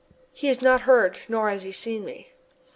He has not heard, nor has he seen me.